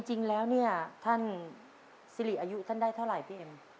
จริงแล้วท่านซิริอายุได้เท่าไรพี่เอ็ม